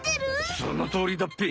そのとおりだっぺ。